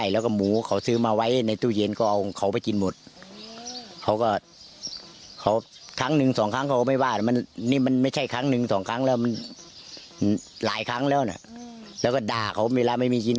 แล้วก็ด่าเขาเวลาไม่มีจิต